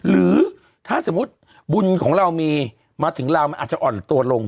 หรือถ้าสมมุติบุญของเรามีมาถึงเรามันอาจจะอ่อนตัวลง